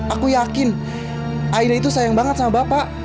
aku yakin aina itu sayang banget sama bapak